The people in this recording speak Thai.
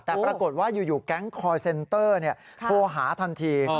แต่ปรากฏว่าอยู่แก๊งคอร์เซ็นเตอร์โทรหาทันที